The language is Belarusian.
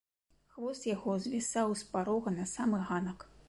Хвост яго звісаў з парога на самы ганак.